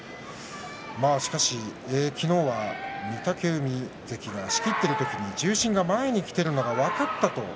しかし昨日は御嶽海関が仕切っている時に中心が前にきているのが分かったと。